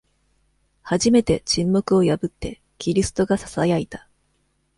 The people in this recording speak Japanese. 初めて、沈黙を破って、キリストがささやいた。